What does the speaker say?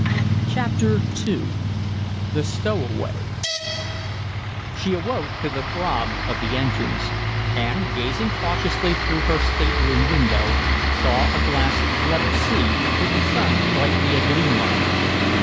CHAPTER II THE STOWAWAY She awoke to the throb of the engines, and, gazing cautiously through her stateroom window, saw a glassy, level sea, with the sun brightly agleam on it.